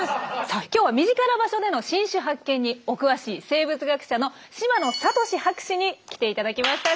さあ今日は身近な場所での新種発見にお詳しい生物学者の島野智之博士に来て頂きました。